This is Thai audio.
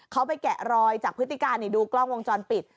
เขาไปแกะรอยจากพฤติการดูกล้องวงจรปิด